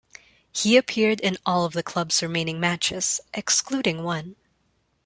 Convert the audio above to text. He appeared in all of the club's remaining matches excluding one.